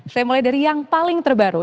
saya mulai dari yang paling terbaru